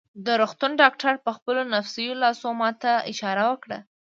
د روغتون ډاکټر په خپلو نفیسو لاسو ما ته اشاره وکړه.